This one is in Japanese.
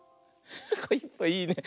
いいね。